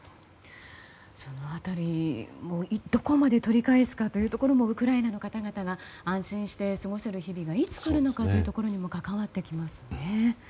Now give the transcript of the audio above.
その辺り、どこまで取り返すかというところもウクライナの方々が安心して過ごせる日々がいつ来るのかというところにも関わってきますね。